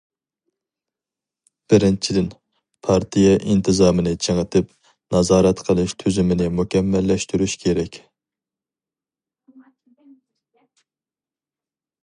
بىرىنچىدىن، پارتىيە ئىنتىزامىنى چىڭىتىپ، نازارەت قىلىش تۈزۈمىنى مۇكەممەللەشتۈرۈش كېرەك.